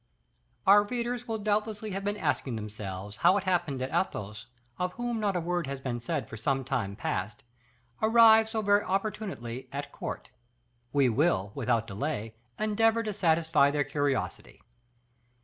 Our readers will doubtlessly have been asking themselves how it happened that Athos, of whom not a word has been said for some time past, arrived so very opportunely at court. We will, without delay, endeavor to satisfy their curiosity.